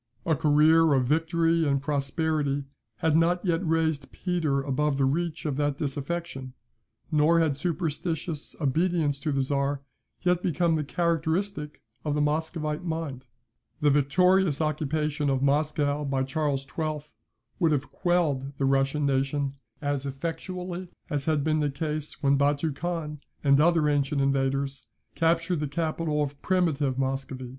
A career of victory and prosperity had not yet raised Peter above the reach of that disaffection, nor had superstitious obedience to the Czar yet become the characteristic of the Muscovite mind. The victorious occupation of Moscow by Charles XII. would have quelled the Russian nation as effectually, as had been the case when Batou Khan, and other ancient invaders, captured the capital of primitive Muscovy.